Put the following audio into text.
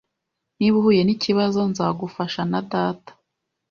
Niba uhuye nikibazo, nzagufasha, na data